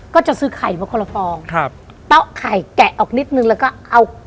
ก็จะซื้อไข่มาคนละคลองครับเดาไข่แกะนิดหนึ่งและก็เอา